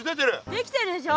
できてるでしょ？